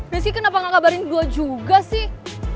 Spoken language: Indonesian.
rizky kenapa gak kabarin gue juga sih